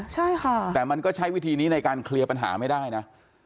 ใช่ค่ะแต่มันก็ใช้วิธีนี้ในการเคลียร์ปัญหาไม่ได้นะ